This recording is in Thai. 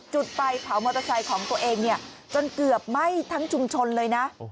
จุดไฟเผามอเตอร์ไซค์ของตัวเองจนเกือบไหม้ทั้งชุมชนเลยนะ